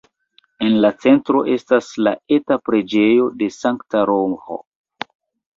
En la centro estas la eta preĝejo de Sankta Roĥo.